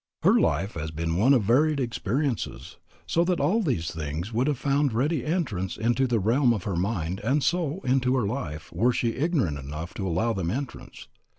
Her life has been one of varied experiences, so that all these things would have found ready entrance into the realm of her mind and so into her life were she ignorant enough to allow them entrance.